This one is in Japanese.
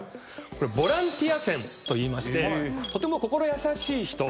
これボランティア線といいましてとても心優しい人